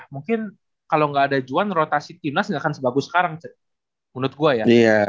mungkin kalo gak ada juan rotasi timnya tidak akan sebagus sekarang menurut gue ya